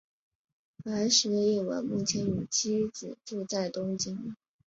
白石一文目前与妻子住在东京。